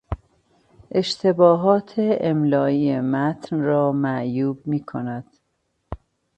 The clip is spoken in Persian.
اشتباهات املایی متن را معیوب میکند.